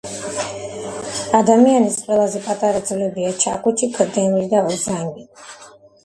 ადამიანის ყველაზე პატარა ძვლებია :ჩაქუჩი, გრდემლი და უზანგი